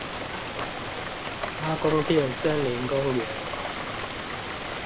阿公店森林公園